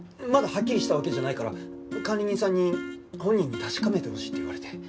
まだはっきりしたわけじゃないから管理人さんに本人に確かめてほしいって言われて。